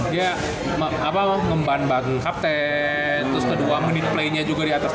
dia ngemban bagi kapten terus kedua minute play nya juga di atas tiga puluh